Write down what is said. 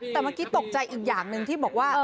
แต่เมื่อกี้ตกใจอีกอย่างหนึ่งที่บอกว่า